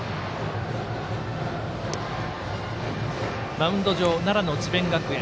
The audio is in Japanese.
マウンド上、奈良の智弁学園